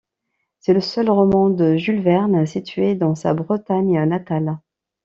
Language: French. C’est le seul roman de Jules Verne situé dans sa Bretagne natale.